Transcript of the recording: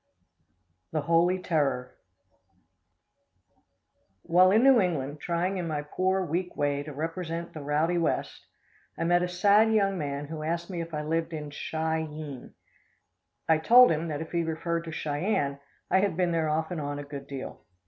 The Holy Terror. While in New England trying in my poor, weak way to represent the "rowdy west," I met a sad young man who asked me if I lived in Chi eene. I told him that if he referred to Cheyenne, I had been there off and on a good deal.